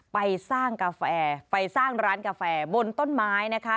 ไปสร้างกาแฟไปสร้างร้านกาแฟบนต้นไม้นะคะ